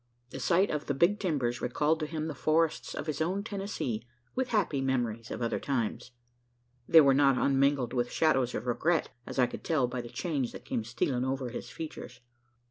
The sight of the "Big Timbers" recalled to him the forests of his own Tennessee with happy memories of other times. They were not unmingled with shadows of regret: as I could tell by the change that came stealing over his features.